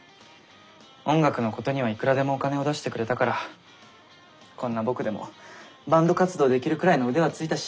音楽のことにはいくらでもお金を出してくれたからこんな僕でもバンド活動できるくらいの腕はついたし。